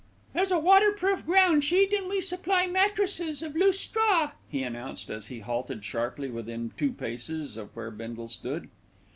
"There's a waterproof ground sheet and we supply mattresses of loose straw," he announced as he halted sharply within two paces of where Bindle stood.